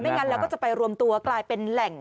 งั้นแล้วก็จะไปรวมตัวกลายเป็นแหล่ง